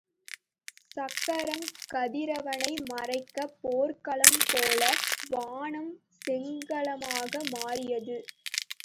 சக்கரம் கதிரவனை மறைக்கப் போர்க்களம் போல வானம் செங்களமாக மாறியது.